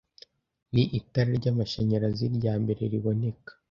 ni Itara ryamashanyarazi ryambere riboneka